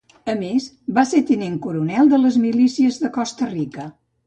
A més, va ser tinent coronel de les milícies de Costa Rica.